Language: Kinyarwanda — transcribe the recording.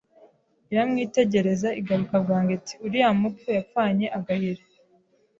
Iramwitegereza igaruka bwangu iti uriya mupfu yapfanye agahiri